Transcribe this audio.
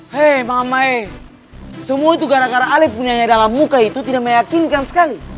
hei mamae semua itu gara gara ale punya yang ada dalam muka itu tidak meyakinkan sekali